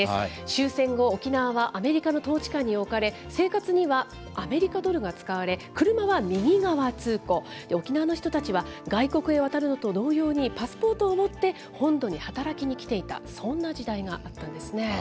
終戦後、沖縄はアメリカの統治下に置かれ、生活にはアメリカドルが使われ、車は右側通行、沖縄の人たちは、外国へ渡るのと同様にパスポートを持って、本土に働きに来ていた、そんな時代があったんですね。